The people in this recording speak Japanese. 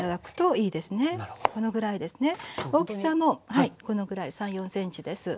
はいこのぐらい３４ｃｍです。